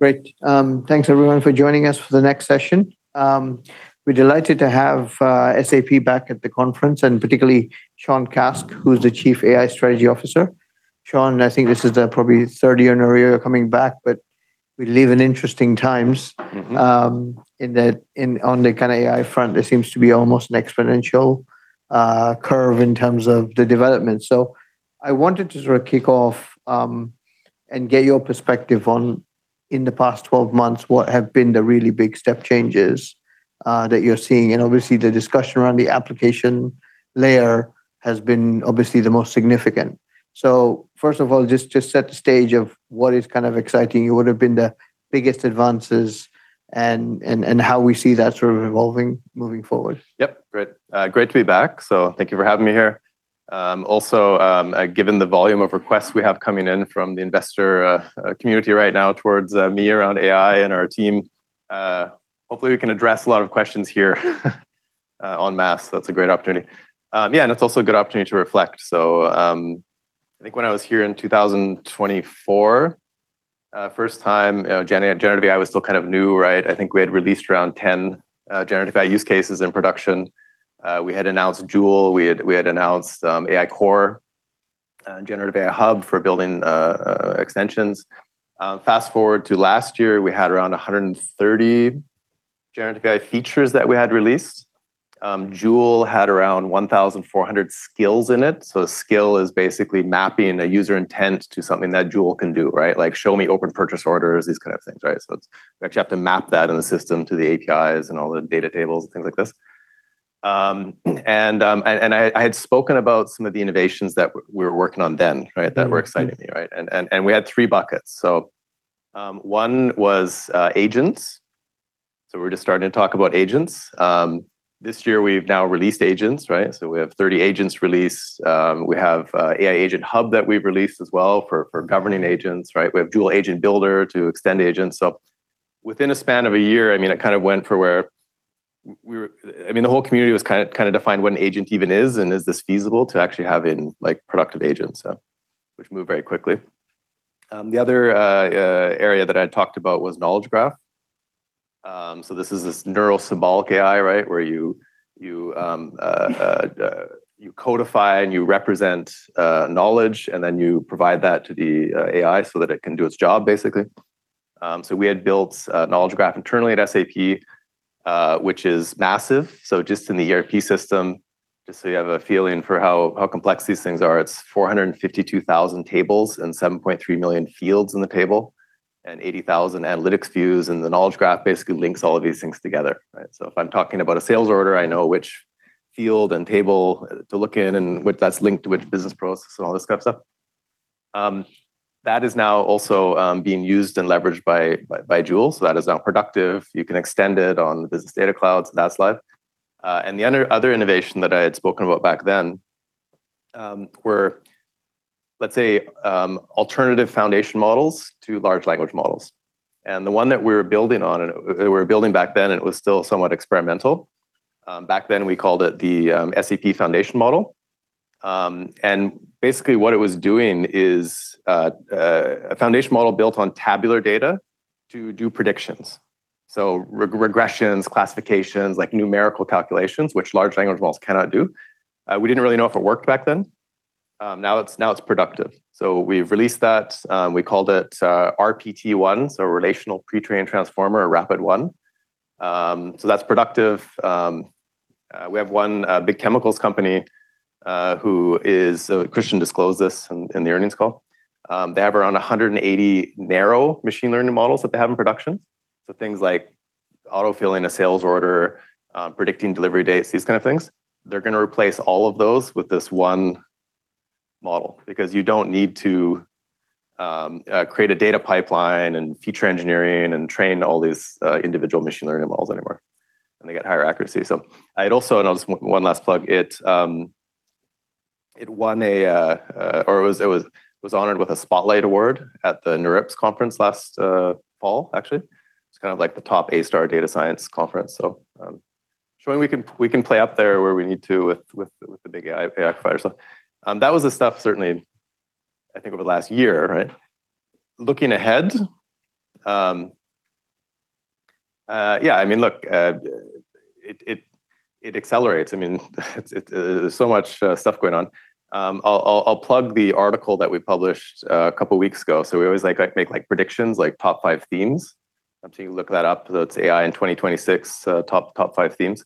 Great. Thanks everyone for joining us for the next session. We're delighted to have SAP back at the conference, and particularly Walter Sun, who's the Chief AI Strategy Officer. Walter, I think this is the probably third year in a row you're coming back, but we live in interesting times. On the kind of AI front, there seems to be almost an exponential curve in terms of the development. I wanted to sort of kick off and get your perspective on, in the past 12 months, what have been the really big step changes that you're seeing? Obviously, the discussion around the application layer has been obviously the most significant. First of all, just set the stage of what is kind of exciting. What have been the biggest advances and how we see that sort of evolving moving forward? Yep, great. Great to be back, thank you for having me here. Also, given the volume of requests we have coming in from the investor community right now towards me around AI and our team, hopefully, we can address a lot of questions here en masse. That's a great opportunity. Yeah, it's also a good opportunity to reflect. I think when I was here in 2024, first time, you know, generative AI was still kind of new, right? I think we had released around 10 generative AI use cases in production. We had announced Joule, we had announced SAP AI Core, Generative AI hub for building extensions. Fast-forward to last year, we had around 130 generative AI features that we had released. Joule had around 1,400 skills in it. A skill is basically mapping a user intent to something that Joule can do, right? Like, show me open purchase orders, these kind of things, right? We actually have to map that in the system to the APIs and all the data tables and things like this. And I had spoken about some of the innovations that we were working on then, right? That were exciting me, right? We had three buckets. One was agents. We're just starting to talk about agents. This year we've now released agents, right? We have 30 agents released. We have AI Agent Hub that we've released as well for governing agents, right? We have Joule Agent Builder to extend agents. Within a span of a year, I mean, it kind of went from where the whole community was kind of defined what an agent even is, and is this feasible to actually have in, like, productive agents? Which moved very quickly. The other area that I talked about was knowledge graph. This is this Neuro-symbolic AI, right? Where you codify and you represent knowledge, and then you provide that to the AI so that it can do its job, basically. We had built a knowledge graph internally at SAP, which is massive. Just in the ERP system, just so you have a feeling for how complex these things are, it's 452,000 tables and 7.3 million fields in the table, and 80,000 analytics views, and the knowledge graph basically links all of these things together, right? If I'm talking about a sales order, I know which field and table to look in, and which that's linked to which business process and all this kind of stuff. That is now also being used and leveraged by Joule, so that is now productive. You can extend it on the Business Data Cloud, so that's live. The other innovation that I had spoken about back then, were, let's say, alternative foundation models to large language models. The one that we were building on, and we were building back then, and it was still somewhat experimental. Back then, we called it the SAP Foundation model. And basically, what it was doing is a foundation model built on tabular data to do predictions. So regressions, classifications, like numerical calculations, which large language models cannot do. We didn't really know if it worked back then. Now it's productive. We've released that. We called it RPT-1, so Relational Pre-trained Transformer, RPT-1. That's productive. We have one big chemicals company who is. Christian disclosed this in the earnings call. They have around 180 narrow machine learning models that they have in production. Things like auto-filling a sales order, predicting delivery dates, these kind of things. They're gonna replace all of those with this one model because you don't need to create a data pipeline and feature engineering and train all these individual machine learning models anymore, and they get higher accuracy. I'd also, and I'll just one last plug: it won, or it was honored with a Spotlight Award at the NeurIPS conference last fall, actually. It's kind of like the top A-star data science conference. Showing we can play up there where we need to with the big AI acquirers. That was the stuff, certainly, I think, over the last year, right? Looking ahead, yeah, I mean, look, it accelerates. I mean, there's so much stuff going on. I'll, I'll plug the article that we published a couple of weeks ago. We always like make, like predictions, like top five themes. You can look that up, so it's AI in 2026, top five themes.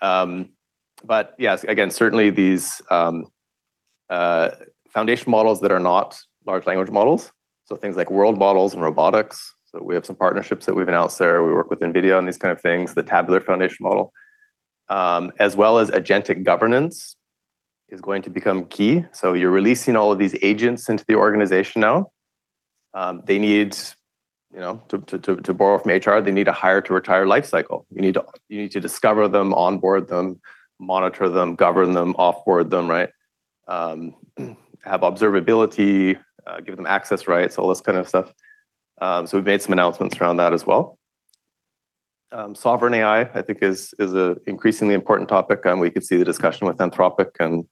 But yes, again, certainly these foundation models that are not large language models, so things like world models and robotics. We have some partnerships that we've announced there. We work with NVIDIA on these kind of things, the tabular foundation model. As well as agentic governance is going to become key. You're releasing all of these agents into the organization now. They need, you know, to borrow from HR, they need a hire-to-retire life cycle. You need to discover them, onboard them, monitor them, govern them, offboard them, right? Have observability, give them access rights, all this kind of stuff. We've made some announcements around that as well. Sovereign AI, I think is an increasingly important topic, we could see the discussion with Anthropic and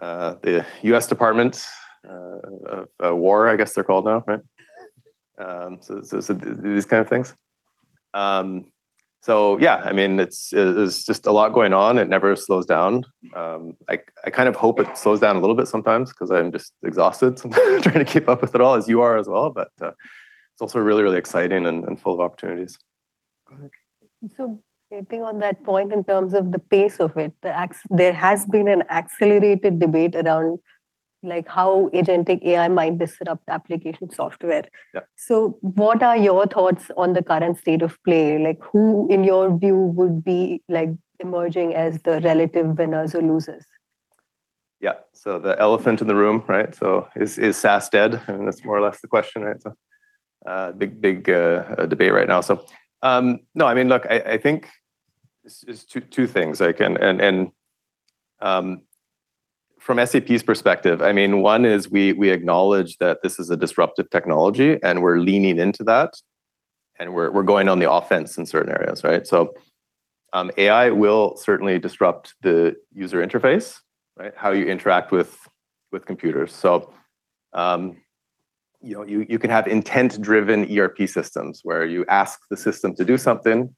the Department of War, I guess they're called now, right? These kind of things. Yeah, I mean, it's, there's just a lot going on. It never slows down. I kind of hope it slows down a little bit sometimes 'cause I'm just exhausted sometimes trying to keep up with it all, as you are as well. It's also really, really exciting and full of opportunities. Jumping on that point in terms of the pace of it, there has been an accelerated debate around, like, how agentic AI might disrupt application software. Yeah. What are your thoughts on the current state of play? Like, who, in your view, would be, like, emerging as the relative winners or losers? Yeah. The elephant in the room, right? Is SaaS dead? That's more or less the question, right? Big debate right now. No, I mean, look, I think it's two things, like, and, from SAP's perspective, I mean, one is we acknowledge that this is a disruptive technology, and we're leaning into that, and we're going on the offense in certain areas, right? AI will certainly disrupt the user interface, right? How you interact with computers. You know, you can have intent-driven ERP systems where you ask the system to do something,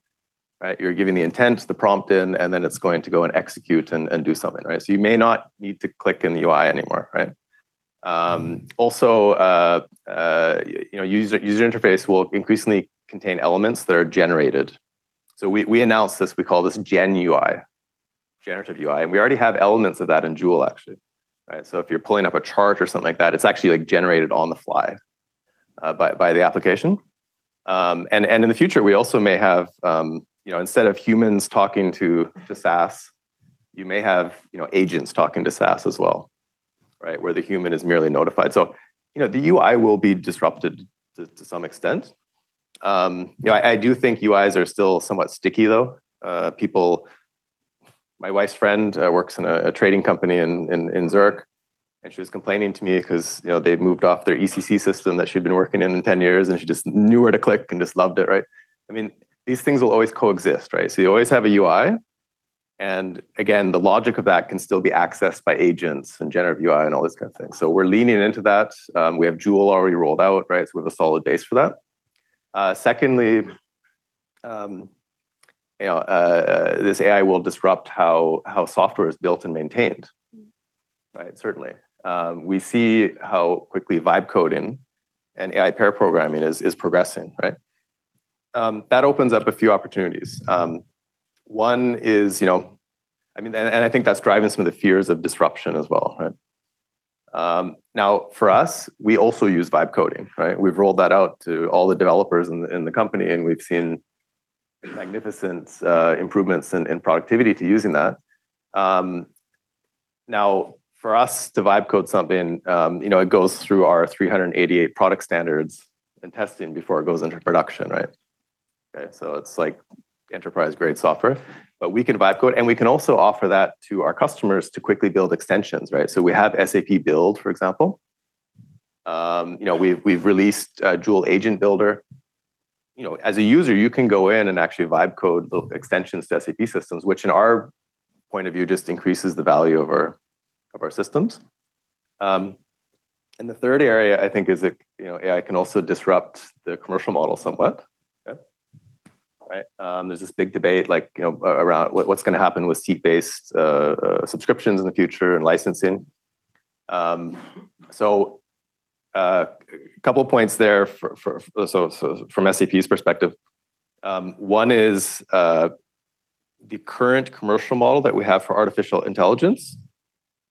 right? You're giving the intent, the prompt in, and then it's going to go and execute and do something, right? You may not need to click in the UI anymore, right? Also, you know, user interface will increasingly contain elements that are generated. We announced this. We call this Gen UI, Generative UI, and we already have elements of that in Joule, actually, right? If you're pulling up a chart or something like that, it's actually, like, generated on the fly by the application. In the future, we also may have, you know, instead of humans talking to SaaS, you may have, you know, agents talking to SaaS as well, right? Where the human is merely notified. You know, the UI will be disrupted to some extent. You know, I do think UIs are still somewhat sticky, though. My wife's friend works in a trading company in Zurich, and she was complaining to me 'cause, you know, they've moved off their ECC system that she'd been working in 10 years, and she just knew where to click and just loved it, right? I mean, these things will always coexist, right? You always have a UI, again, the logic of that can still be accessed by agents and Generative UI and all this kind of things. We're leaning into that. We have Joule already rolled out, right? We have a solid base for that. Secondly, you know, this AI will disrupt how software is built and maintained. Mm. Right? Certainly. We see how quickly low-code and AI pair programming is progressing, right? That opens up a few opportunities. One is, you know, I mean, I think that's driving some of the fears of disruption as well, right? Now, for us, we also use low-code, right? We've rolled that out to all the developers in the company, and we've seen magnificent improvements in productivity to using that. Now, for us to live code something, you know, it goes through our 388 product standards and testing before it goes into production, right? Okay, it's like enterprise-grade software, but we can live code, and we can also offer that to our customers to quickly build extensions, right? We have SAP Build, for example. You know, we've released Joule Agent Builder. You know, as a user, you can go in and actually vibe code build extensions to SAP systems, which in our point of view, just increases the value of our systems. The third area, I think, is that, you know, AI can also disrupt the commercial model somewhat. Okay? Right. There's this big debate like, you know, around what's gonna happen with seat-based subscriptions in the future and licensing. Couple points there for, so from SAP's perspective, One is, the current commercial model that we have for artificial intelligence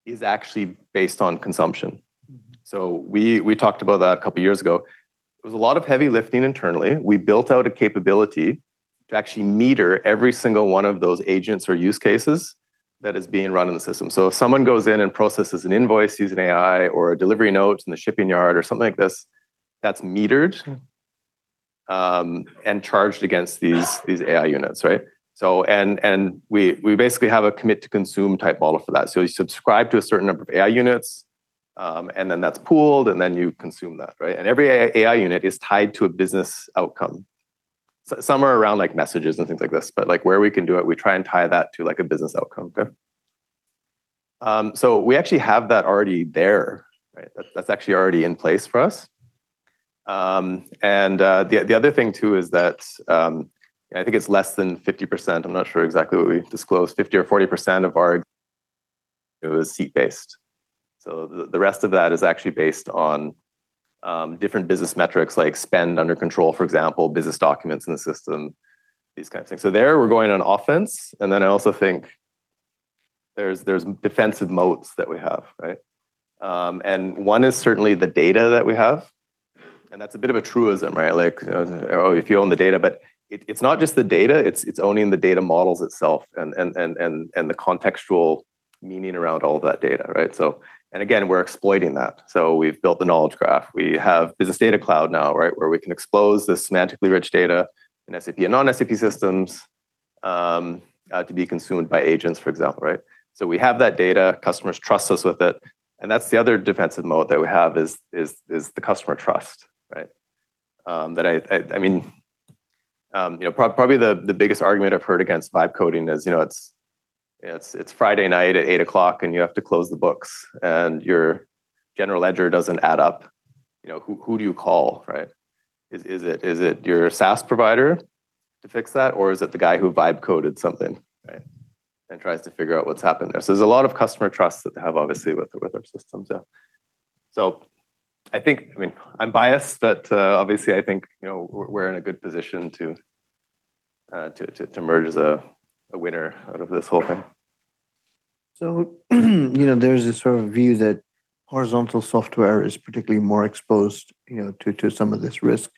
is actually based on consumption. Mm. We talked about that a couple years ago. It was a lot of heavy lifting internally. We built out a capability to actually meter every single one of those agents or use cases that is being run in the system. If someone goes in and processes an invoice using AI or a delivery note in the shipping yard or something like this, that's metered. Mm. Charged against these AI Units, right? We basically have a commit to consume type model for that. You subscribe to a certain number of AI Units, and then that's pooled, and then you consume that, right? Every AI Unit is tied to a business outcome. Somewhere around, like, messages and things like this, but, like, where we can do it, we try and tie that to, like, a business outcome. Okay? We actually have that already there, right? That's actually already in place for us. The other thing too is that I think it's less than 50%, I'm not sure exactly what we disclosed, 50% or 40% of our it was seat based. The rest of that is actually based on, different business metrics, like spend under control, for example, business documents in the system, these kinds of things. There, we're going on offense, and then I also think there's defensive moats that we have, right? One is certainly the data that we have, and that's a bit of a truism, right? Like, if you own the data, but it's not just the data, it's owning the data models itself and the contextual meaning around all that data, right? Again, we're exploiting that. We've built the knowledge graph. We have Business Data Cloud now, right? Where we can expose this semantically rich data in SAP and non-SAP systems to be consumed by agents, for example, right? We have that data, customers trust us with it, and that's the other defensive mode that we have is the customer trust, right? That I mean, you know, probably the biggest argument I've heard against low-code is, you know, it's Friday night at 8:00 P.M., and you have to close the books, and your general ledger doesn't add up. You know, who do you call, right? Is it your SaaS provider to fix that? Or is it the guy who live coded something, right, and tries to figure out what's happened there? There's a lot of customer trust that they have, obviously, with our systems. I mean, I'm biased, but obviously, I think, you know, we're in a good position to emerge as a winner out of this whole thing. There's this sort of view that horizontal software is particularly more exposed, you know, to some of this risk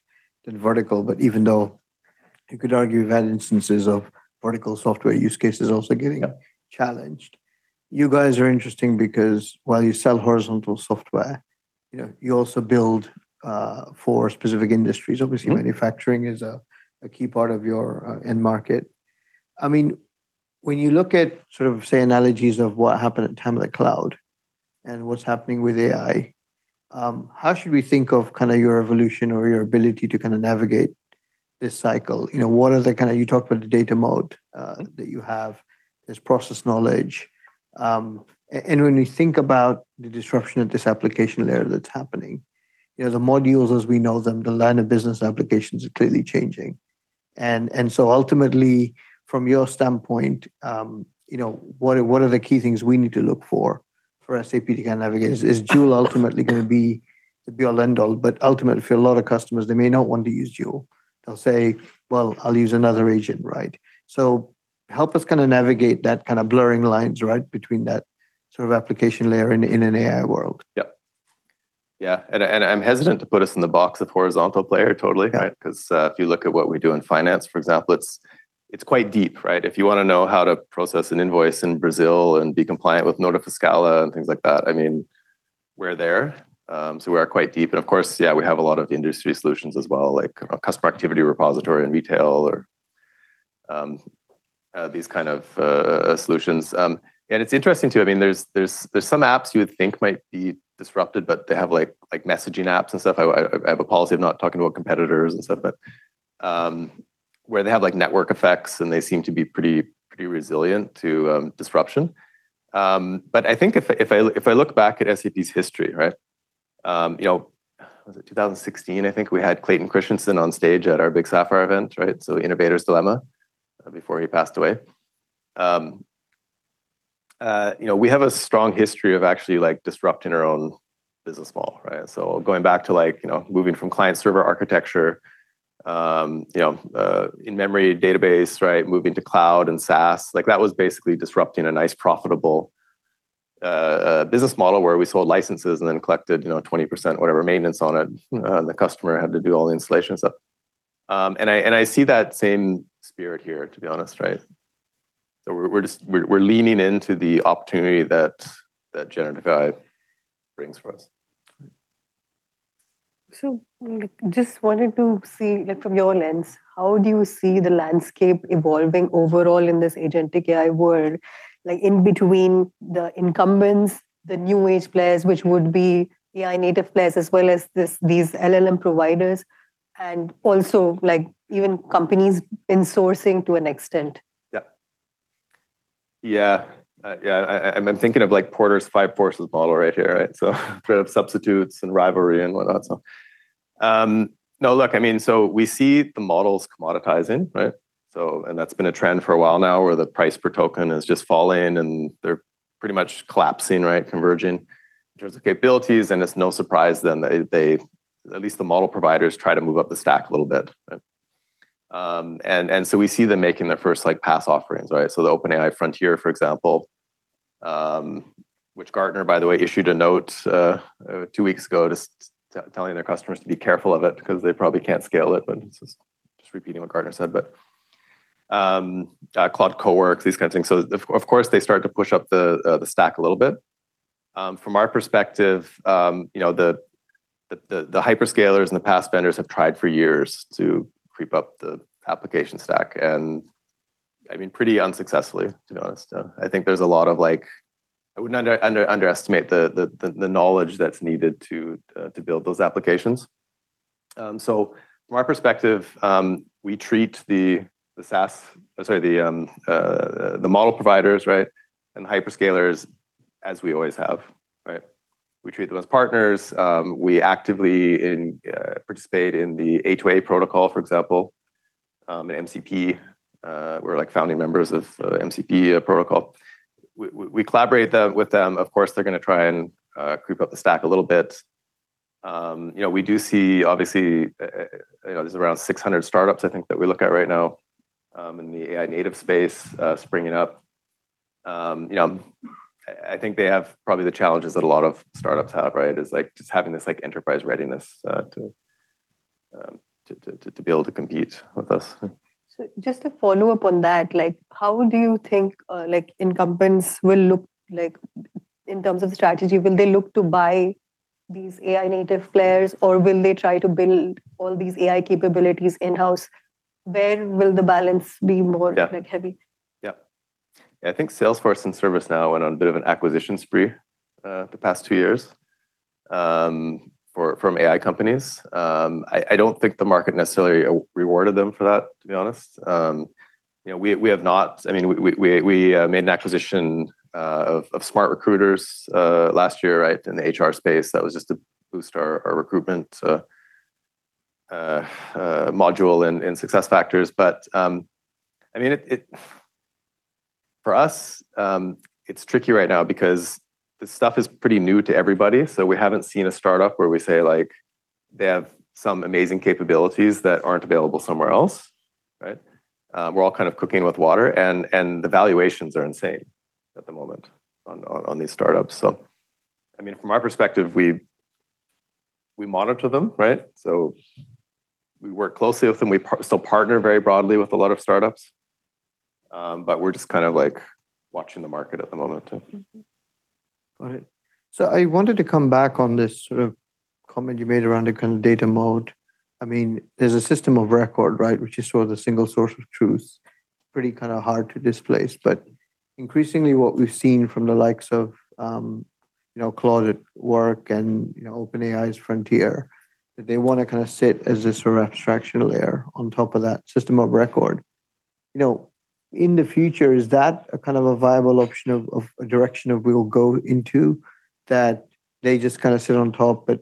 than vertical. Even though you could argue that instances of vertical software use cases also getting challenged. You guys are interesting because while you sell horizontal software, you know, you also build for specific industries. Mm-hmm. Obviously, manufacturing is a key part of your end market. I mean, when you look at sort of, say, analogies of what happened at the time of the cloud and what's happening with AI, how should we think of kinda your evolution or your ability to kinda navigate this cycle? You know, you talked about the data mode that you have, this process knowledge. When we think about the disruption of this application layer that's happening, you know, the modules as we know them, the line of business applications are clearly changing. So ultimately, from your standpoint, you know, what are the key things we need to look for SAP to kinda navigate? Is Joule ultimately gonna be all end all? Ultimately, for a lot of customers, they may not want to use Joule. They'll say, "Well, I'll use another agent," right? Help us kinda navigate that kind of blurring lines, right, between that sort of application layer in an AI world. Yep. Yeah, I'm hesitant to put us in the box of horizontal player, totally. Right. 'Cause, if you look at what we do in finance, for example, it's quite deep, right? If you wanna know how to process an invoice in Brazil and be compliant with Nota Fiscal and things like that, I mean, we're there. So we are quite deep, and of course, yeah, we have a lot of industry solutions as well, like a customer activity repository in retail or, these kind of solutions. And it's interesting, too, I mean, there's some apps you would think might be disrupted, but they have, like messaging apps and stuff. I have a policy of not talking about competitors and stuff, but where they have, like, network effects, and they seem to be pretty resilient to disruption. I think if I look back at SAP's history, right, you know, was it 2016? I think we had Clayton Christensen on stage at our big SAP Sapphire event, right? The Innovator's Dilemma, before he passed away. You know, we have a strong history of actually, like, disrupting our own business model, right? Going back to like, you know, moving from client-server architecture, you know, in-memory database, right? Moving to cloud and SaaS, like, that was basically disrupting a nice, profitable business model where we sold licenses and then collected, you know, 20% whatever maintenance on it, and the customer had to do all the installation stuff. And I see that same spirit here, to be honest, right? We're leaning into the opportunity that generative AI brings for us. Just wanted to see, like from your lens, how do you see the landscape evolving overall in this agentic AI world? Like, in between the incumbents, the new age players, which would be AI native players, as well as these LLM providers, and also, like, even companies in sourcing to an extent. I'm thinking of, like, Porter's Five Forces model right here, right? sort of substitutes and rivalry and whatnot. No, look, I mean, we see the models commoditizing, right? That's been a trend for a while now, where the price per token is just falling, and they're pretty much collapsing, right? Converging in terms of capabilities, it's no surprise then that they, at least the model providers, try to move up the stack a little bit. We see them making their first, like, PaaS offerings, right? The OpenAI Frontier, for example, which Gartner, by the way, issued a note two weeks ago, just telling their customers to be careful of it because they probably can't scale it, just repeating what Gartner said. Cloud CoWork, these kinds of things. Of course, they start to push up the stack a little bit. From our perspective, you know, the hyperscalers and the PaaS vendors have tried for years to creep up the application stack, and I mean, pretty unsuccessfully, to be honest. I think there's a lot of, like, I wouldn't underestimate the knowledge that's needed to build those applications. From our perspective, we treat the SaaS, sorry, the model providers, right, and hyperscalers as we always have, right. We treat them as partners. We actively participate in the A2A protocol, for example, and MCP. We're, like, founding members of MCP protocol. We collaborate with them. Of course, they're gonna try and creep up the stack a little bit. You know, we do see, obviously, you know, there's around 600 startups I think that we look at right now, in the AI native space, springing up. You know, I think they have probably the challenges that a lot of startups have, right? Is like, just having this, like, enterprise readiness, to be able to compete with us. Just a follow-up on that, like, how do you think, like, incumbents will look like in terms of strategy? Will they look to?... these AI native players, or will they try to build all these AI capabilities in-house? Where will the balance be more- Yeah. like, heavy? I think Salesforce and ServiceNow went on a bit of an acquisition spree the past 2 years from AI companies. I don't think the market necessarily rewarded them for that, to be honest. You know, we made an acquisition of WalkMe last year, right? In the HR space. That was just to boost our recruitment module and SuccessFactors. I mean, for us, it's tricky right now because this stuff is pretty new to everybody, so we haven't seen a startup where we say, like, they have some amazing capabilities that aren't available somewhere else, right? We're all kind of cooking with water, and the valuations are insane at the moment on these startups. I mean, from our perspective, we monitor them, right? We work closely with them. We still partner very broadly with a lot of startups, but we're just kind of like watching the market at the moment. Got it. I wanted to come back on this sort of comment you made around the kind of data mode. I mean, there's a system of record, right, which is sort of the single source of truth. Pretty kinda hard to displace, but increasingly what we've seen from the likes of, you know, Cresta and, you know, OpenAI's Frontier, that they wanna kinda sit as this sort of abstraction layer on top of that system of record. You know, in the future, is that a kind of a viable option of a direction that we will go into, that they just kinda sit on top, but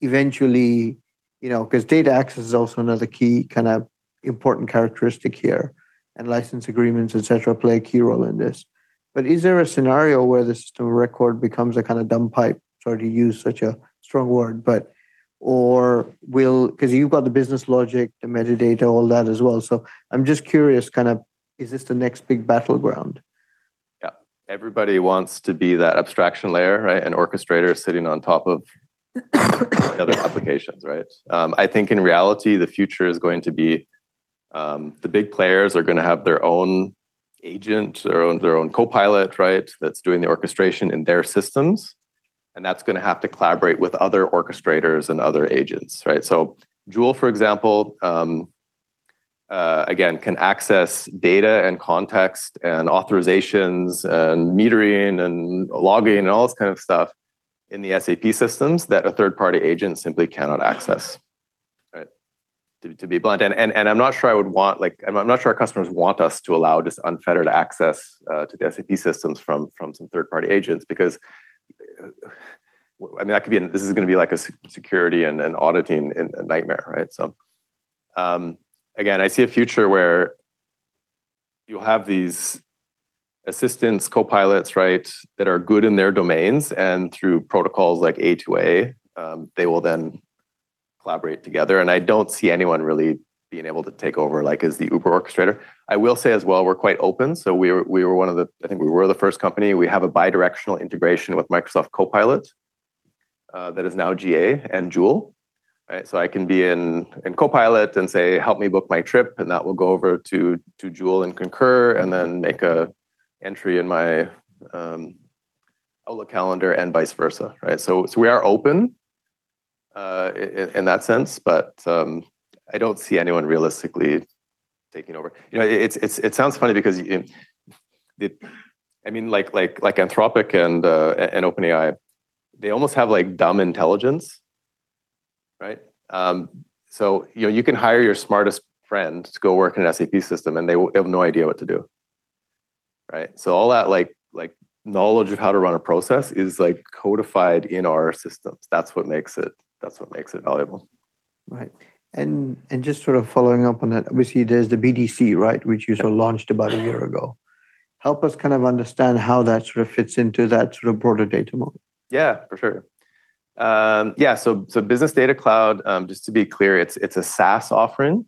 eventually... You know, 'cause data access is also another key, kind of, important characteristic here, and license agreements, et cetera, play a key role in this. Is there a scenario where the system of record becomes a kind of dumb pipe? Sorry to use such a strong word, but, or will, 'cause you've got the business logic, the metadata, all that as well. I'm just curious, kind of, is this the next big battleground? Yeah. Everybody wants to be that abstraction layer, right, and orchestrator sitting on top of other applications, right? I think in reality, the future is going to be, the big players are gonna have their own agent, their own, their own copilot, right? That's doing the orchestration in their systems, and that's gonna have to collaborate with other orchestrators and other agents, right? Joule, for example, again, can access data and context, and authorizations, and metering, and logging, and all this kind of stuff in the SAP systems that a third-party agent simply cannot access, right? To be blunt, and I'm not sure I would want, I'm not sure our customers want us to allow just unfettered access to the SAP systems from some third-party agents because, I mean, that could be an... This is gonna be like a security and an auditing nightmare, right? Again, I see a future where you'll have these assistants, copilots, right, that are good in their domains, and through protocols like A2A, they will then collaborate together, and I don't see anyone really being able to take over, like, as the Uber orchestrator. I will say as well, we're quite open, we were the first company. We have a bidirectional integration with Microsoft Copilot, that is now GA and Joule, right? I can be in Copilot and say: "Help me book my trip," and that will go over to Joule and Concur and then make a entry in my Outlook calendar and vice versa, right? We are open in that sense. I don't see anyone realistically taking over. You know, it's it sounds funny because, you, I mean, like Anthropic and OpenAI, they almost have, like, dumb intelligence, right? You know, you can hire your smartest friend to go work in an SAP system, and they will have no idea what to do, right? All that, like, knowledge of how to run a process is, like, codified in our systems. That's what makes it valuable. Right. Just sort of following up on that, obviously, there's the BDC, right? Which you sort of launched about a year ago. Help us kind of understand how that sort of fits into that sort of broader data model. Yeah, for sure. Yeah, Business Data Cloud, just to be clear, it's a SaaS offering,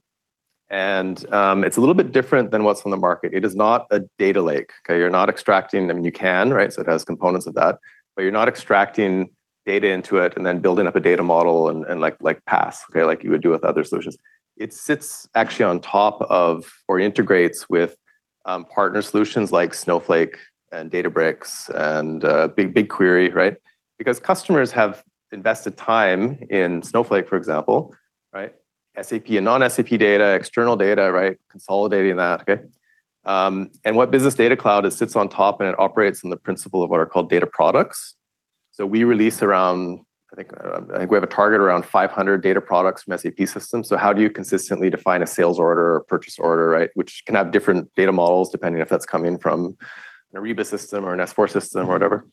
and it's a little bit different than what's on the market. It is not a data lake, okay? You're not extracting... I mean, you can, right? It has components of that, but you're not extracting data into it and then building up a data model and like PAS, okay? Like you would do with other solutions. It sits actually on top of or integrates with partner solutions like Snowflake and Databricks and BigQuery, right? Because customers have invested time in Snowflake, for example, right? SAP and non-SAP data, external data, right? Consolidating that, okay? What Business Data Cloud, it sits on top and it operates on the principle of what are called data products. We release around, I think, I think we have a target around 500 data products from SAP systems. How do you consistently define a sales order or purchase order, right? Which can have different data models, depending if that's coming from an Ariba system or an S/4 system or whatever.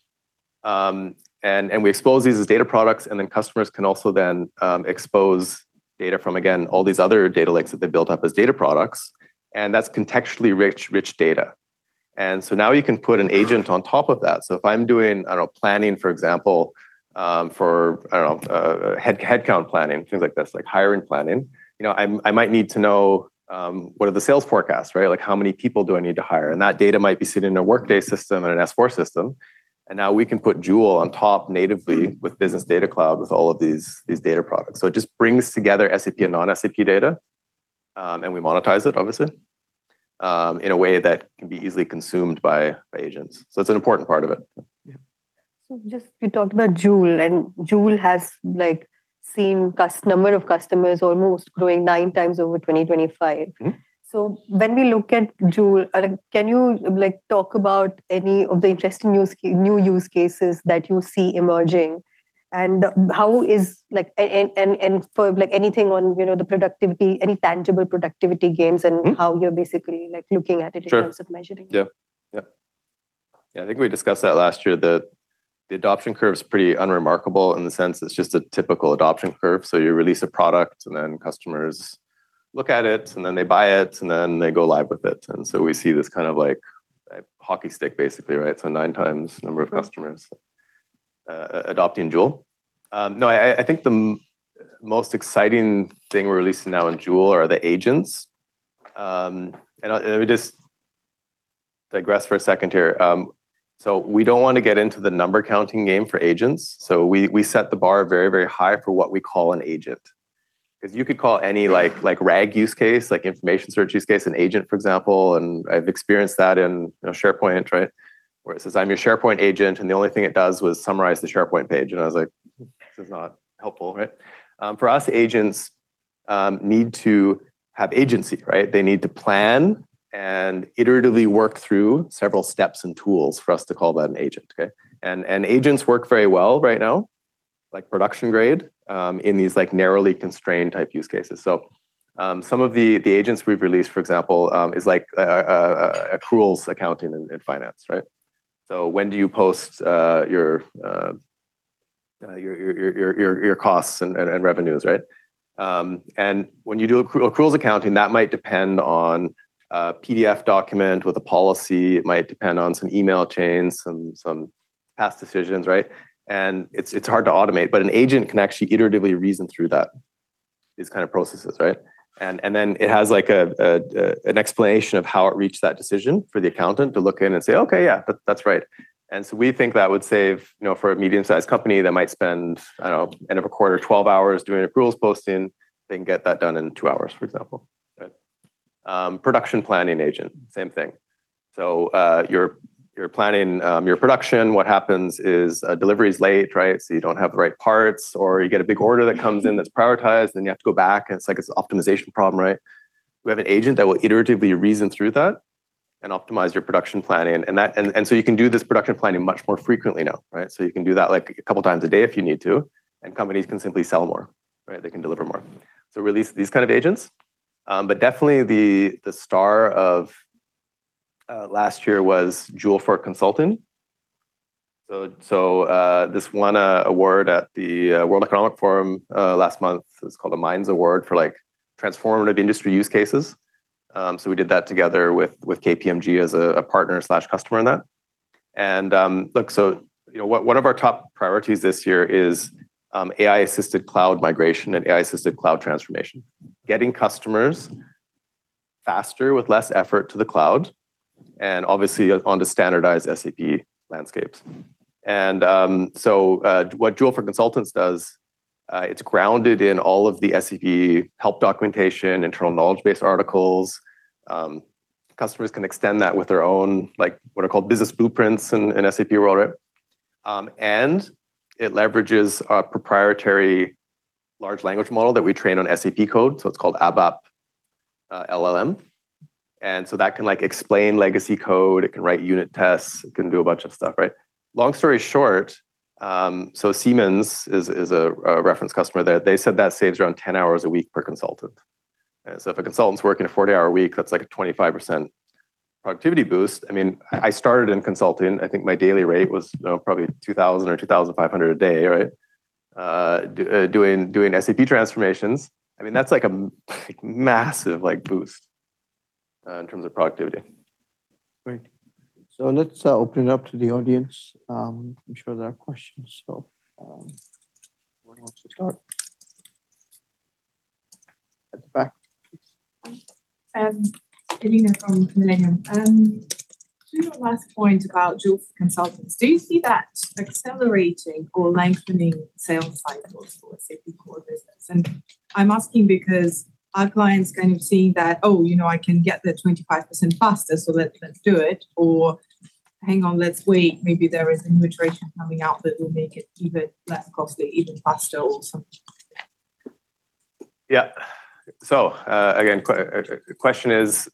And we expose these as data products, and then customers can also then expose data from, again, all these other data lakes that they've built up as data products, and that's contextually rich data. Now you can put an agent on top of that. If I'm doing, I don't know, planning, for example, for, I don't know, headcount planning, things like this, like hiring planning, you know, I might need to know what are the sales forecasts, right? How many people do I need to hire? That data might be sitting in a Workday system and an S/4 system, and now we can put Joule on top natively with Business Data Cloud, with all of these data products. It just brings together SAP and non-SAP data, and we monetize it, obviously. In a way that can be easily consumed by agents. It's an important part of it. Yeah. Just you talked about Joule, and Joule has, like, seen number of customers almost growing 9x over 2025. Mm-hmm. When we look at Joule, can you, like, talk about any of the interesting new use cases that you see emerging? How is for, like, anything on, you know, the productivity, any tangible productivity gains? Mm. how you're basically, like, looking at it. Sure. In terms of measuring it? Yeah. Yep. Yeah, I think we discussed that last year, that the adoption curve is pretty unremarkable in the sense it's just a typical adoption curve. You release a product, and then customers look at it, and then they buy it, and then they go live with it. We see this kind of like a hockey stick, basically, right? 9x the number of customers adopting Joule. No, I think the most exciting thing we're releasing now in Joule are the agents. And let me just digress for a second here. We don't want to get into the number counting game for agents, so we set the bar very, very high for what we call an agent. You could call any, like, RAG use case, like information search use case, an agent, for example, and I've experienced that in, you know, SharePoint, right? Where it says, "I'm your SharePoint agent," and the only thing it does was summarize the SharePoint page, and I was like, "This is not helpful," right? For us, agents need to have agency, right? They need to plan and iteratively work through several steps and tools for us to call that an agent, okay? Agents work very well right now, like production grade, in these like, narrowly constrained type use cases. Some of the agents we've released, for example, is like accruals, accounting, and finance, right? When do you post your costs and revenues, right? When you do accruals accounting, that might depend on a PDF document with a policy. It might depend on some email chains, some past decisions, right? It's hard to automate, but an agent can actually iteratively reason through that, these kind of processes, right? It has, like, an explanation of how it reached that decision for the accountant to look in and say, "Okay, yeah, that's right." We think that would save, you know, for a medium-sized company that might spend, I don't know, end of a quarter, 12 hours doing accruals posting, they can get that done in 2 hours, for example, right? Production planning agent, same thing. You're planning your production. What happens is a delivery is late, right? You don't have the right parts, or you get a big order that comes in that's prioritized, and you have to go back, and it's like it's an optimization problem, right? We have an agent that will iteratively reason through that and optimize your production planning, and you can do this production planning much more frequently now, right? You can do that, like, a couple times a day if you need to, and companies can simply sell more. Right? They can deliver more. Release these kind of agents, but definitely the star of last year was Joule for Consultants. This won a award at the World Economic Forum last month. It's called the MINDS Award for, like, transformative industry use cases. We did that together with KPMG as a partner/customer on that. You know, one of our top priorities this year is AI-assisted cloud migration and AI-assisted cloud transformation. Getting customers faster with less effort to the cloud, obviously onto standardized SAP landscapes. What Joule for Consultants does, it's grounded in all of the SAP help documentation, internal knowledge base articles. Customers can extend that with their own, like, what are called Business Blueprint in SAP world, right? It leverages a proprietary large language model that we train on SAP code, it's called ABAP LLM. That can, like, explain legacy code, it can write unit tests, it can do a bunch of stuff, right? Long story short, Siemens is a reference customer there. They said that saves around 10 hours a week per consultant. If a consultant's working a 40-hour week, that's like a 25% productivity boost. I mean, I started in consulting. I think my daily rate was probably $2,000 or $2,500 a day, right? Doing SAP transformations. I mean, that's like a massive, like, boost in terms of productivity. Great. Let's open it up to the audience. I'm sure there are questions. Who wants to start? At the back, please. Elena from Millennium. To your last point about Joule for Consultants, do you see that accelerating or lengthening sales cycles for SAP core business? I'm asking because are clients kind of seeing that, "Oh, you know, I can get the 25% faster, so let's do it," or, "Hang on, let's wait. Maybe there is a new iteration coming out that will make it even less costly, even faster or something? Yeah. Again, the question is,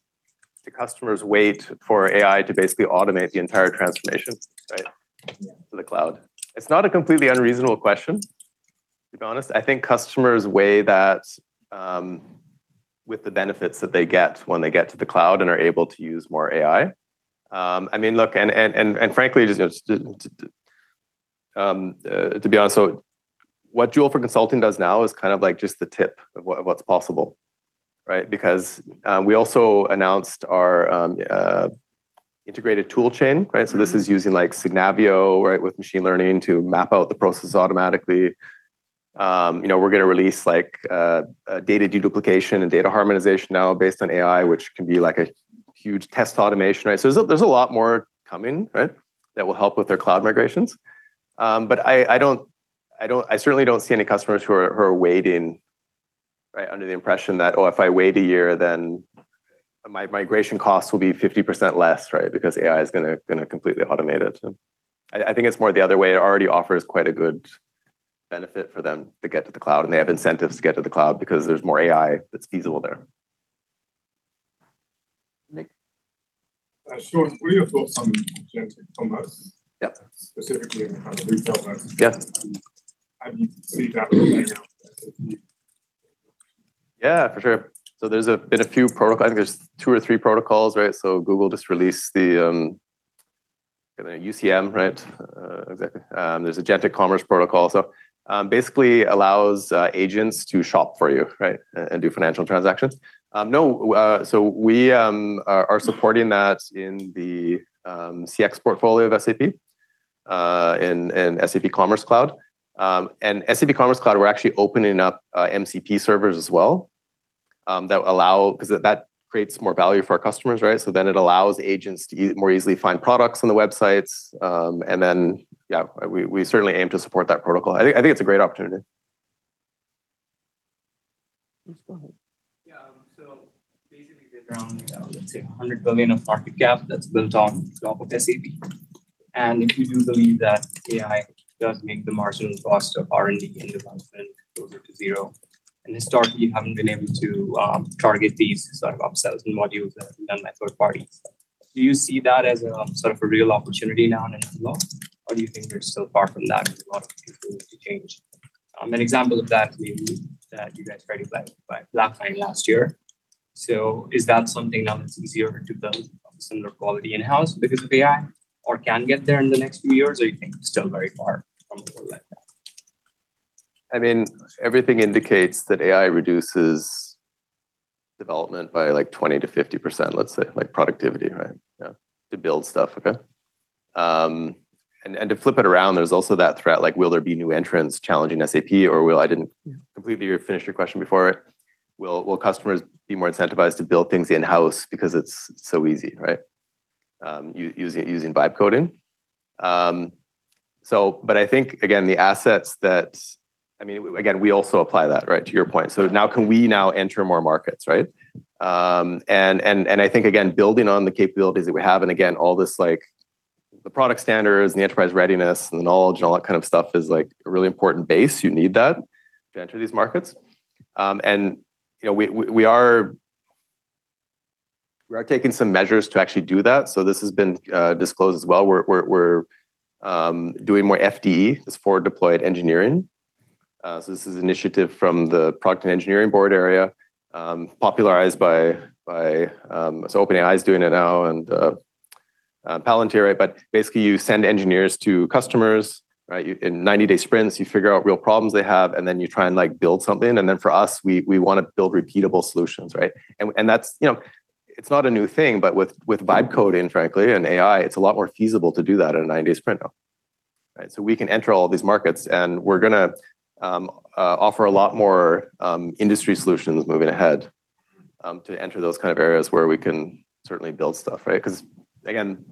do customers wait for AI to basically automate the entire transformation, right? Yeah. To the cloud. It's not a completely unreasonable question, to be honest. I think customers weigh that with the benefits that they get when they get to the cloud and are able to use more AI. I mean, look, and frankly, just to be honest, what Joule for Consultants does now is kind of like just the tip of what's possible, right? Because we also announced our integrated tool chain, right? This is using, like, SAP Signavio, right, with machine learning to map out the process automatically. You know, we're gonna release, like, data deduplication and data harmonization now based on AI, which can be like a huge test automation, right? There's a lot more coming, right, that will help with their cloud migrations... I don't, I certainly don't see any customers who are waiting, right, under the impression that, "Oh, if I wait a year, then my migration costs will be 50% less?" AI is gonna completely automate it. I think it's more the other way. It already offers quite a good benefit for them to get to the cloud, and they have incentives to get to the cloud because there's more AI that's feasible there. Nick? Sean, what are your thoughts on agent commerce- Yeah. specifically on how to reach out that? Yeah. How do you see that right now? Yeah, for sure. There's a been a few protocol. I think there's two or three protocols, right? Google just released the UCM, right? There's an Agentic Commerce Protocol. Basically allows agents to shop for you, right, and do financial transactions. No, we are supporting that in the CX portfolio of SAP, and SAP Commerce Cloud. SAP Commerce Cloud, we're actually opening up MCP servers as well, 'cause that creates more value for our customers, right? It allows agents to more easily find products on the websites. Yeah, we certainly aim to support that protocol. I think it's a great opportunity. Yes, go ahead. Basically, there's around, let's say, $100 billion of market cap that's built on top of SAP. If you do believe that AI does make the marginal cost of R&D and development closer to zero, and historically, you haven't been able to target these sort of upsells and modules that have been done by third parties. Do you see that as sort of a real opportunity now going forward, or do you think we're still far from that, and a lot of people need to change? An example of that maybe that you guys tried to buy Blacklane last year. Is that something now that's easier to build a similar quality in-house because of AI, or can get there in the next few years, or you think you're still very far from a world like that? I mean, everything indicates that AI reduces development by, like, 20%-50%, let's say, like, productivity, right? Yeah, to build stuff, okay? To flip it around, there's also that threat, like, will there be new entrants challenging SAP or will... I didn't completely finish your question before. Will customers be more incentivized to build things in-house because it's so easy, right? Using low-code. I think, again, the assets. I mean, again, we also apply that, right, to your point. Now, can we now enter more markets, right? I think, again, building on the capabilities that we have, and again, all this, like, the product standards, the enterprise readiness, the knowledge, and all that kind of stuff is, like, a really important base. You need that to enter these markets. You know, we are taking some measures to actually do that. This has been disclosed as well. We're doing more FDE, this forward-deployed engineering. This is an initiative from the product and engineering board area, popularized by OpenAI is doing it now and Palantir, right? Basically, you send engineers to customers, right? In 90-day sprints, you figure out real problems they have, then you try and, like, build something, then for us, we wanna build repeatable solutions, right? That's, you know, it's not a new thing, but with low-code, frankly, and AI, it's a lot more feasible to do that in a 90-day sprint now, right? We can enter all these markets, and we're gonna offer a lot more industry solutions moving ahead to enter those kind of areas where we can certainly build stuff, right? 'Cause, again,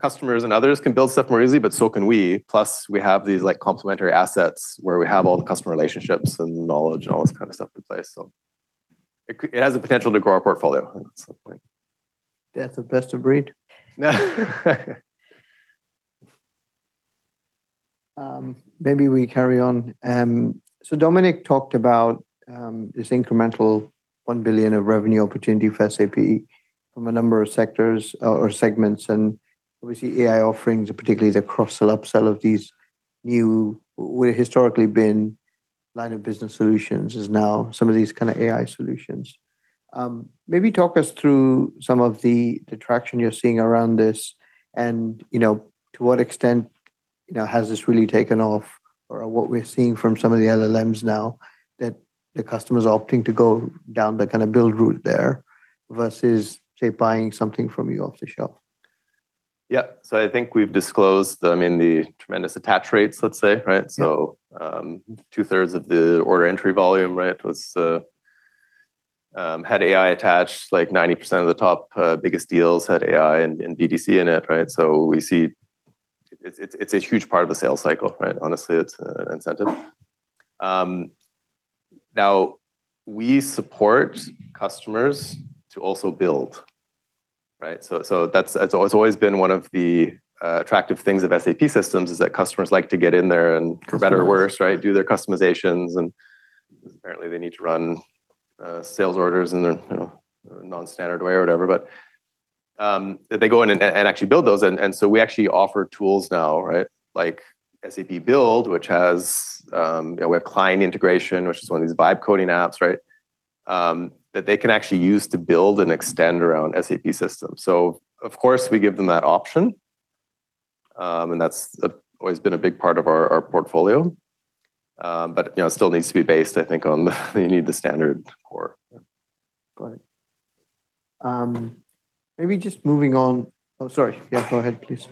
customers and others can build stuff more easily, but so can we. Plus, we have these, like, complimentary assets where we have all the customer relationships and knowledge and all this kind of stuff in place. It has the potential to grow our portfolio, at some point. Yeah, it's the best of breed. Maybe we carry on. Dominic talked about this incremental 1 billion of revenue opportunity for SAP from a number of sectors or segments, and obviously, AI offerings, particularly the cross-sell, upsell of these new, were historically been line of business solutions, is now some of these kind of AI solutions. Maybe talk us through some of the traction you're seeing around this and, you know, to what extent, you know, has this really taken off or what we're seeing from some of the other LLMs now, that the customer's opting to go down the kind of build route there versus, say, buying something from you off the shelf? Yeah. I think we've disclosed, I mean, the tremendous attach rates, let's say, right? Yeah. Two-thirds of the order entry volume, right, was had AI attached, like, 90% of the top biggest deals had AI and BDC in it, right? We see it's a huge part of the sales cycle, right? Honestly, it's an incentive. Now, we support customers to also build, right? That's always been one of the attractive things of SAP systems, is that customers like to get in there and. Customize. For better or worse, right, do their customizations, and apparently, they need to run sales orders in their, you know, non-standard way or whatever. They go in and actually build those, so we actually offer tools now, right, like SAP Build, which has, you know, we have client integration, which is one of these low-code apps, right, that they can actually use to build and extend around SAP systems. Of course, we give them that option, and that's always been a big part of our portfolio. You know, it still needs to be based, I think, on you need the standard core. Right. maybe just moving on, Oh, sorry. Yeah, go ahead, please.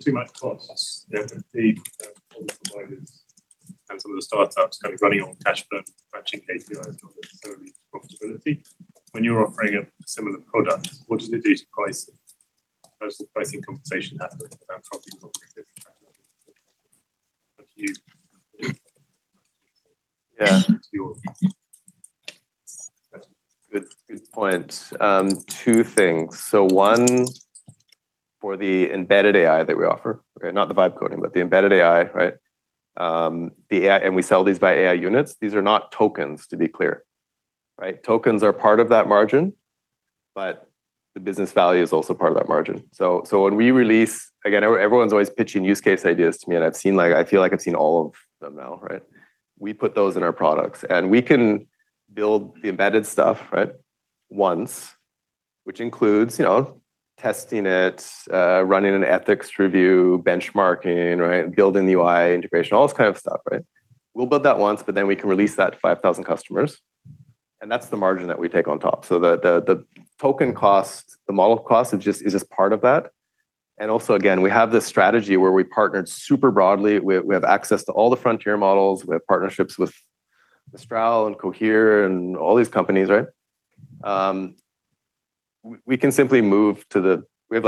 Too much costs. Yeah, the providers and some of the startups kind of running on cash flow, actually, KPI is not necessarily- when you're offering a similar product, what does it do to pricing? Does the pricing compensation happen without copying? Thank you. Good, good point. Two things. One, for the embedded AI that we offer, okay, not the low-code, but the embedded AI, right? The AI, and we sell these by AI units. These are not tokens, to be clear, right? Tokens are part of that margin, but the business value is also part of that margin. When we release... Again, everyone's always pitching use case ideas to me, and I've seen, like, I feel like I've seen all of them now, right? We put those in our products, and we can build the embedded stuff, right, once, which includes, you know, testing it, running an ethics review, benchmarking, right, building the UI integration, all this kind of stuff, right? We'll build that once, but then we can release that to 5,000 customers, and that's the margin that we take on top. The token cost, the model cost is just part of that. Again, we have this strategy where we partnered super broadly. We have access to all the Frontier models. We have partnerships with Mistral and Cohere and all these companies, right? We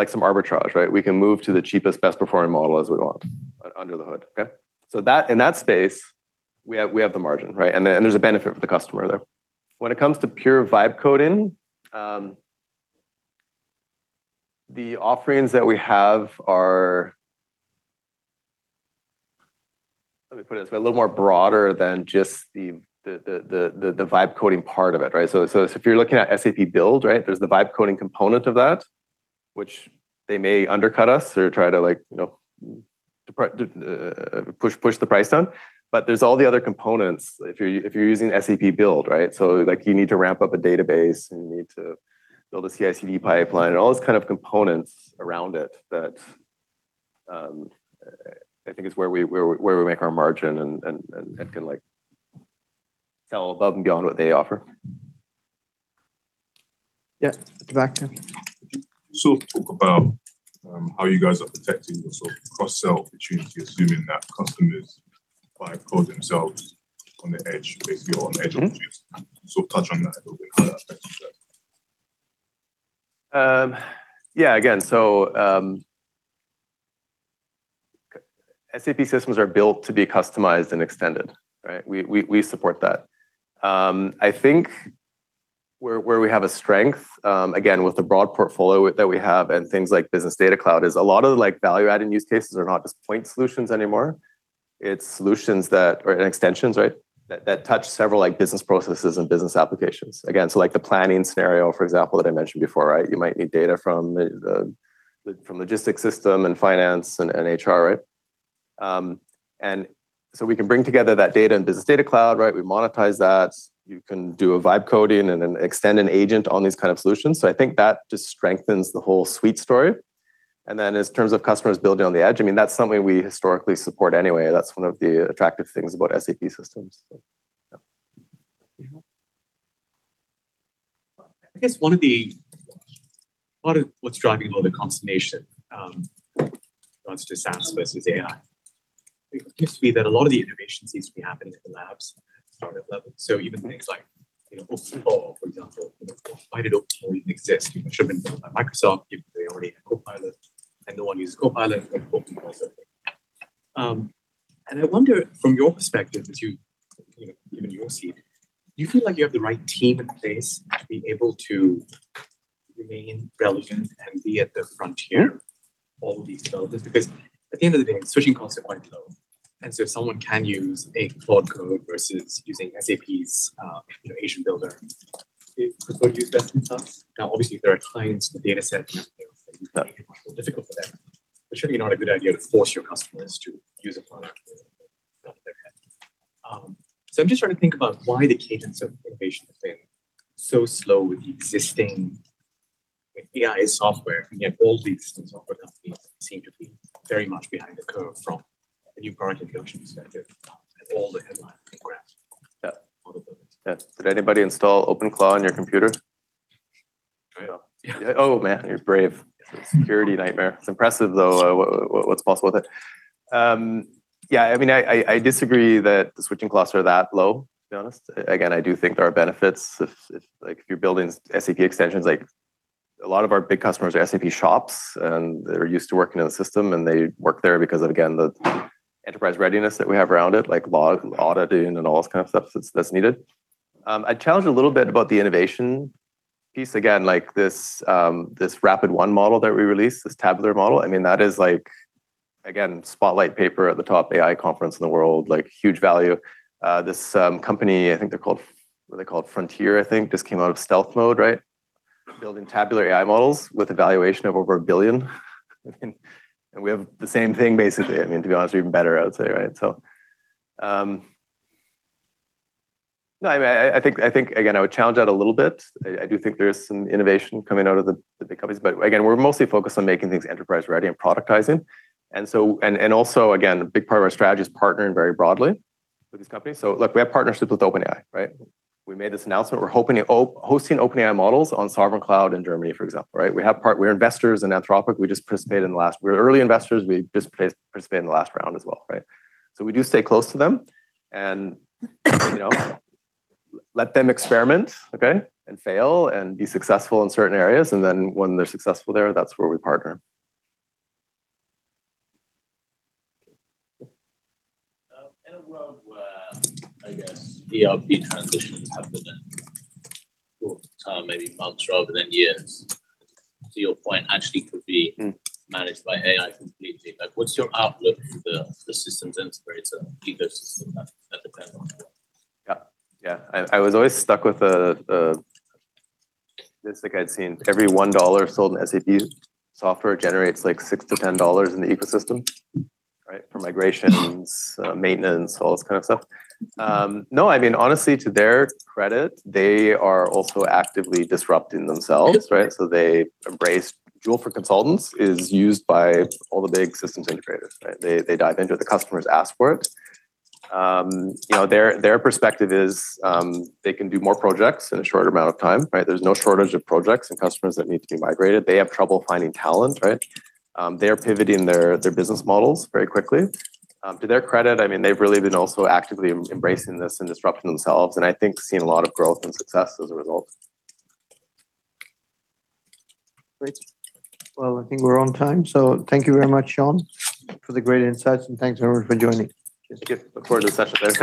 have some arbitrage, right? We can move to the cheapest, best performing model as we want under the hood, okay? That, in that space, we have the margin, right? There's a benefit for the customer there. When it comes to pure low-code, the offerings that we have are, let me put it this way, a little more broader than just the low-code part of it, right? If you're looking at SAP Build, right, there's the low-code component of that, which they may undercut us or try to, like, you know, push the price down. There's all the other components if you're using SAP Build, right? Like, you need to ramp up a database, and you need to build a CI/CD pipeline and all this kind of components around it that, I think is where we make our margin and can, like, sell above and beyond what they offer. Yeah, at the back there. Talk about how you guys are protecting the sort of cross-sell opportunity, assuming that customers might code themselves on the edge, basically, on edge opportunities? Mm-hmm. Touch on that a little bit, how that affects you guys. SAP systems are built to be customized and extended, right? We support that. I think where we have a strength, again, with the broad portfolio that we have and things like Business Data Cloud, is a lot of the, like, value-added use cases are not just point solutions anymore. It's solutions that, or extensions, right, that touch several, like, business processes and business applications. The planning scenario, for example, that I mentioned before, right? You might need data from logistics system and finance and HR, right? We can bring together that data in Business Data Cloud, right? We monetize that. You can do a low-code and extend an agent on these kind of solutions. I think that just strengthens the whole suite story. Then, in terms of customers building on the edge, I mean, that's something we historically support anyway. That's one of the attractive things about SAP systems, so yeah. I guess one of the, part of what's driving a lot of the consternation, when it comes to SaaS versus AI, it appears to be that a lot of the innovation seems to be happening at the labs startup level. So even things like, you know, OpenClaw, for example, you know, why did OpenClaw even exist? It should have been built by Microsoft, if they already had Copilot, and no one uses Copilot but OpenClaw. I wonder from your perspective, as you know, given your seat, do you feel like you have the right team in place to be able to remain relevant and be at the Frontier of all these developments? At the end of the day, switching costs are quite low, and so if someone can use a cloud code versus using SAP's, you know, Agent Builder, it could use less than SaaS. Obviously, there are clients and data sets that make it more difficult for them. Surely, not a good idea to force your customers to use a product. I'm just trying to think about why the cadence of innovation is being so slow with the existing AI software, and yet all these software companies seem to be very much behind the curve from a new product adoption perspective and all the headlines and graphs. Yeah. Yeah. Did anybody install OpenClaw on your computer? I know. Oh, man, you're brave. It's a security nightmare. It's impressive, though, what's possible with it. Yeah, I mean, I disagree that the switching costs are that low, to be honest. Again, I do think there are benefits if, like, if you're building SAP extensions, like, a lot of our big customers are SAP shops, and they're used to working in the system, and they work there because of, again, the enterprise readiness that we have around it, like log, auditing and all this kind of stuff that's needed. I'd challenge a little bit about the innovation piece. Again, like this RPT-1 model that we released, this tabular model, I mean, that is like, again, spotlight paper at the top AI conference in the world, like, huge value. This, company, I think they're called... What are they called? Frontier, I think, just came out of stealth mode, right? Building tabular AI models with a valuation of over $1 billion. I mean, we have the same thing, basically. I mean, to be honest, even better, I would say, right? No, I mean, I think, again, I would challenge that a little bit. I do think there is some innovation coming out of the big companies. Again, we're mostly focused on making things enterprise-ready and productizing. Also, again, a big part of our strategy is partnering very broadly with these companies. Look, we have partnerships with OpenAI, right? We made this announcement. We're hosting OpenAI models on Sovereign Cloud in Germany, for example, right? We're investors in Anthropic. We just participated. We're early investors. We just participated in the last round as well, right? We do stay close to them and, you know, let them experiment, okay, and fail and be successful in certain areas, and then when they're successful there, that's where we partner. In a world where, I guess, ERP transitions happen in short time, maybe months rather than years, to your point, actually. Mm. -managed by AI completely, like, what's your outlook for the systems integrator ecosystem that depends on? I was always stuck with the statistic I'd seen. Every $1 sold in SAP software generates, like, $6-$10 in the ecosystem, right? For migrations, maintenance, all this kind of stuff. No, I mean, honestly, to their credit, they are also actively disrupting themselves, right? Joule for Consultants is used by all the big systems integrators, right? They dive into the customer's ask for it. You know, their perspective is, they can do more projects in a shorter amount of time, right? There's no shortage of projects and customers that need to be migrated. They have trouble finding talent, right? They're pivoting their business models very quickly. to their credit, I mean, they've really been also actively embracing this and disrupting themselves, and I think seeing a lot of growth and success as a result. Great. Well, I think we're on time, so thank you very much, Sean, for the great insights, and thanks, everyone, for joining. Just give a word of the session there.